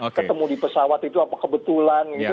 ketemu di pesawat itu apa kebetulan gitu